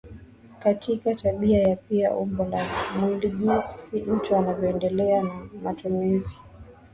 katika tabia na pia umbo la mwili Jinsi mtu anavyoendelea na matumizi